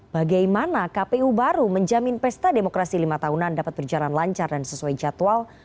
bagaimana kpu baru menjamin pesta demokrasi lima tahunan dapat berjalan lancar dan sesuai jadwal